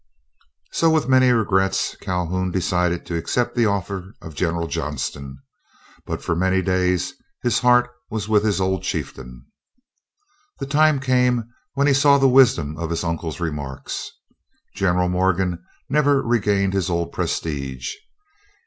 So, with many regrets, Calhoun decided to accept the offer of General Johnston; but for many days his heart was with his old chieftain. The time came when he saw the wisdom of his uncle's remarks. General Morgan never regained his old prestige.